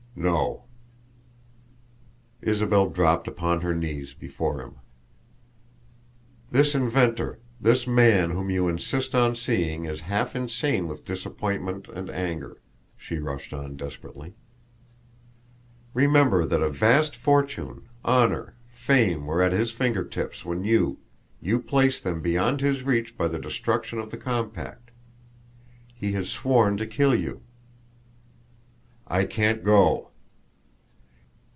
"No." Isabel dropped upon her knees before him. "This inventor this man whom you insist on seeing is half insane with disappointment and anger," she rushed on desperately. "Remember that a vast fortune, honor, fame were at his finger tips when you you placed them beyond his reach by the destruction of the compact. He has sworn to kill you." "I can't go!"